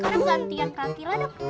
karena gantian kaki lah dong